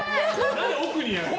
何で奥にやるの。